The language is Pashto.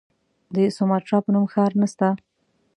د سوماټرا په نوم ښار نسته.